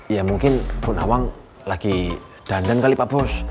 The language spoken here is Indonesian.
ya mungkin pun awang lagi dandan kali pak bos